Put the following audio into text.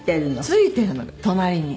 付いてるの隣に。